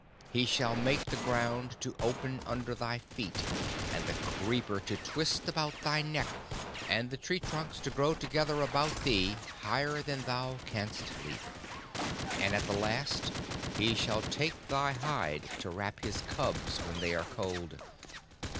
He shall make the ground to open under thy feet, and the creeper to twist about thy neck, and the tree trunks to grow together about thee higher than thou canst leap, and at the last he shall take thy hide to wrap his cubs when they are cold.